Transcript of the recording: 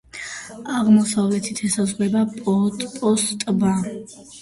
აღმოსავლეთით ესაზღვრება პოოპოს ტბას.